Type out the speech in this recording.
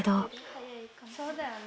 そうだよね。